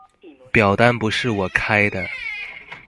表單不是我開的